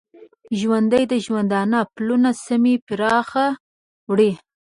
ژوندي د ژوندانه پلونه سمی پرمخ وړي